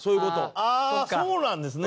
ああそうなんですね。